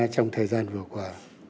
trong thời gian vừa qua